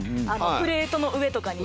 プレートの上とかに。